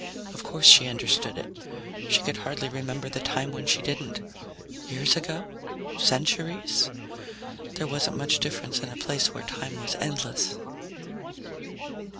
Of course she understood it. She could hardly remember the time when she didn't. Years ago? Centuries? There wasn't much difference in a place where time was endless.